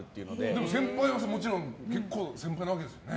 でも、もちろん結構、先輩なわけですよね。